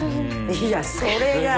いやそれが。